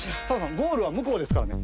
ゴールはむこうですからね。